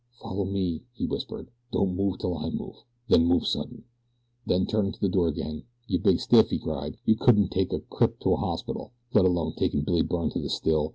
"Follow me," he whispered. "Don't move 'til I move then move sudden." Then, turning to the door again, "You big stiff," he cried, "you couldn't take a crip to a hospital, let alone takin' Billy Byrne to the still.